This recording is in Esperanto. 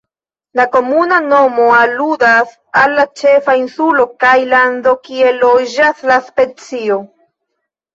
La komuna nomo aludas al la ĉefa insulo kaj lando kie loĝas la specio.